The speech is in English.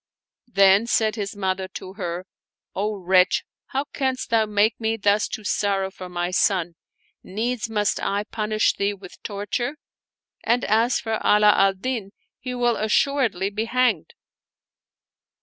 Then said his mother to her, " O wretch, how canst thou make me thus to sorrow for my son? Needs must I punish thee with torture ; and as for Ala al Din, he will assuredly be hanged."